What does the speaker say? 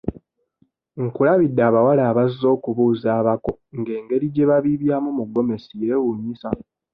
Nkulabidde abawala abazze okubuuza abako nga engeri gye babiibyamu mu ggomesi yeewuunyisa.